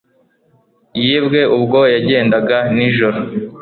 yibwe ubwo yagendaga nijoro